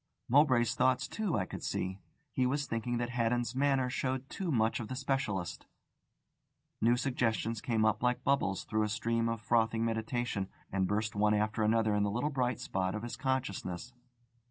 Mowbray's thoughts, too, I could see. He was thinking that Haddon's manner showed too much of the specialist. New suggestions came up like bubbles through a stream of frothing meditation, and burst one after another in the little bright spot of his consciousness.